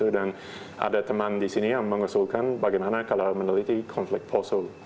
dan ada teman di sini yang mengusulkan bagaimana kalau meneliti konflik poso